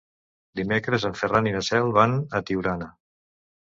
Dimecres en Ferran i na Cel van a Tiurana.